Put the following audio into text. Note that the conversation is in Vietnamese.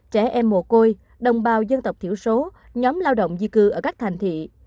trẻ em mồ côi đồng bào dân tộc thiểu số nhóm lao động di cư ở các thành thị